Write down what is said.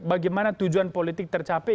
bagaimana tujuan politik tercapai